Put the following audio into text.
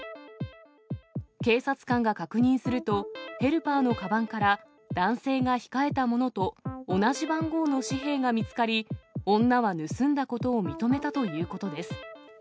警察官が確認すると、ヘルパーのかばんから、男性が控えたものと同じ番号の紙幣が見つかり、女は盗んだことを認めたということです。